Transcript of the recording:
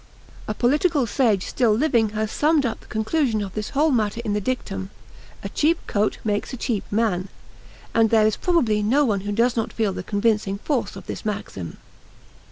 A political sage still living has summed up the conclusion of this whole matter in the dictum: "A cheap coat makes a cheap man," and there is probably no one who does not feel the convincing force of the maxim.